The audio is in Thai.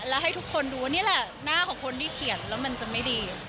แล้วให้ทุกคนดูว่านี่แหละหน้าของคนที่เขียนแล้วมันจะไม่ดี